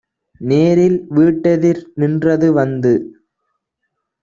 நேரில் வீட்டெதிர் நின்றது வந்து.